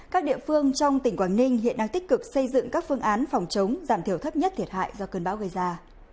các địa phương trong tỉnh quảng ninh hiện đang tích cực xây dựng các phương án phòng chống giảm thiểu thấp nhất thiệt hại do cơn bão gây ra